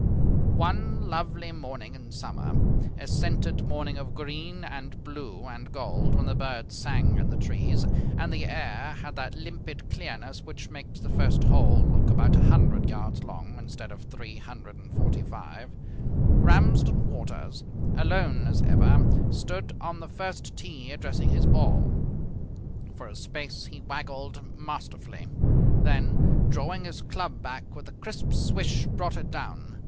One lovely morning in summer, a scented morning of green and blue and gold, when the birds sang in the trees and the air had that limpid clearness which makes the first hole look about 100 yards long instead of 345, Ramsden Waters, alone as ever, stood on the first tee addressing his ball. For a space he waggled masterfully, then, drawing his club back with a crisp swish, brought it down.